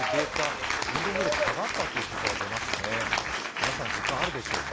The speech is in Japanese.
皆さん、実感あるでしょうか。